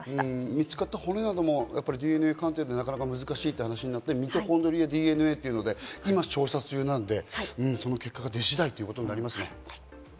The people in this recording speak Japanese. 見つかった骨などもＤＮＡ鑑定でなかなか難しいとなって、ミトコンドリアＤＮＡというので今、捜査中なので、その結果が出次第ということになりますね。